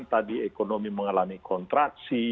tadi ekonomi mengalami kontraksi